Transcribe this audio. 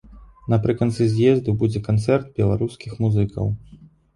Напрыканцы з'езду будзе канцэрт беларускіх музыкаў.